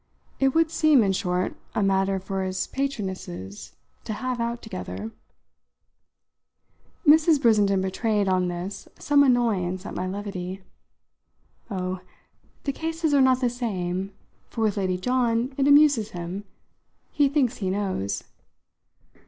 It would seem, in short, a matter for his patronesses to have out together. Mrs. Brissenden betrayed, on this, some annoyance at my levity. "Oh, the cases are not the same, for with Lady John it amuses him: he thinks he knows."